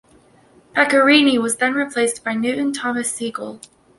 Pecorini was then replaced by Newton Thomas Sigel.